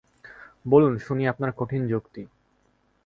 বলুন, শুনি আপনার কঠিন যুক্তি।